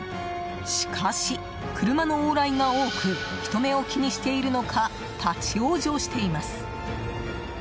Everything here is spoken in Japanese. しかし、車の往来が多く人目を気にしているのか立ち往生しています。